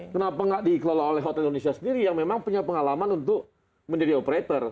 kenapa nggak dikelola oleh hotel indonesia sendiri yang memang punya pengalaman untuk menjadi operator